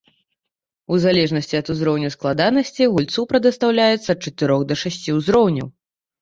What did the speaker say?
У залежнасці ад узроўню складанасці гульцу прадастаўляюцца ад чатырох да шасці узроўняў.